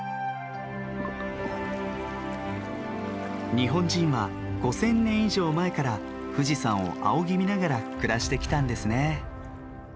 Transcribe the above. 日本人は５，０００年以上前から富士山を仰ぎ見ながら暮らしてきたんですね。